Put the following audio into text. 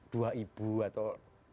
dua ibu atau